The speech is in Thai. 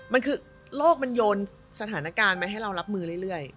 มันคือโลกมันโยนสถานการณ์มาให้เรารับมือเรื่อย